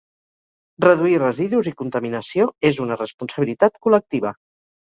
Reduir residus i contaminació és una responsabilitat col·lectiva.